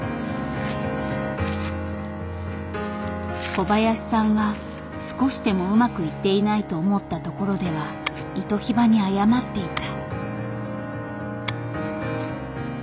小林さんは少しでもうまくいっていないと思ったところではイトヒバに謝っていた。